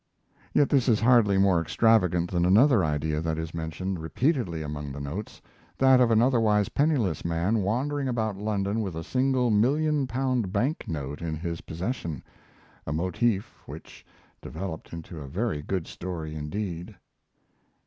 Yet this is hardly more extravagant than another idea that is mentioned repeatedly among the notes that of an otherwise penniless man wandering about London with a single million pound bank note in his possession, a motif which developed into a very good story indeed.